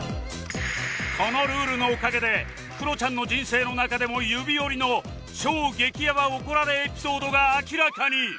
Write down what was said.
このルールのおかげでクロちゃんの人生の中でも指折りの超激ヤバ怒られエピソードが明らかに！